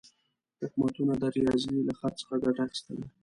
حکومتونه د ریاضي له خط څخه ګټه اخیستله.